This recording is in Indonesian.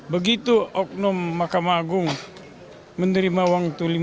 begitu oknum mahkamah agung menerima uang itu lima miliar